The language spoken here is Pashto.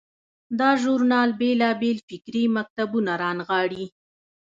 دا ژورنال بیلابیل فکري مکتبونه رانغاړي.